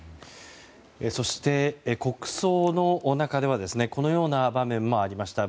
そして国葬の中ではこのような場面もありました。